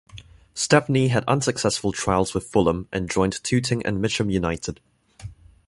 Stepney had unsuccessful trials with Fulham and joined Tooting and Mitcham United.